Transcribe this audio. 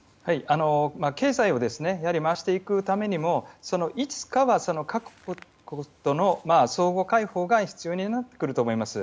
経済を回していくためにもいつかは各国との相互開放が必要になってくると思います。